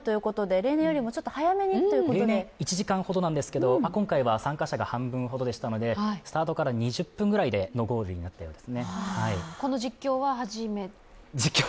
例年１時間ほどなんですが、今回は参加者が半分でしたのでスタートから２０分でのゴールとなったようです。